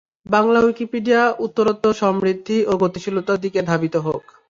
Bangla Wikipedia উত্তরোত্তর সমৃদ্ধি ও গতিশীলতার দিকে ধাবিত হোক।